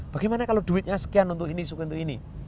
bagaimana kalau duitnya sekian untuk ini segitu ini